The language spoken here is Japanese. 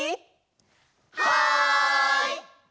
はい！